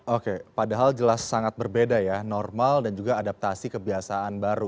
oke padahal jelas sangat berbeda ya normal dan juga adaptasi kebiasaan baru